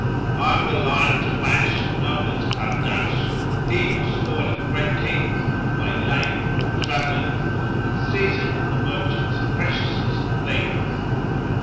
I am the lion to bash known as Kahrdash, he who spoileth great Kings and waylayeth all travellings and seizeth the merchants' preciousest things.